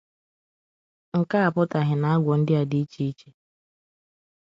Nke a apụtaghị na agwụ ndị a dị iche iche